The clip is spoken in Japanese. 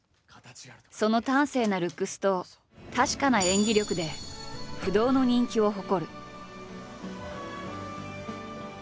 その端正なルックスと確かな演技力で不動の人気を誇る。